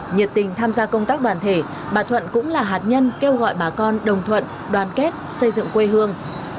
nhiệt tình tham gia công tác đoàn thể bà thuận cũng là hạt nhân kêu gọi bà con đồng thuận đoàn kết xây dựng quê hương